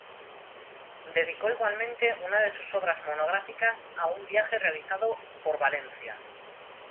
Dedicó igualmente una de sus obras monográficas a un viaje realizado por Valencia.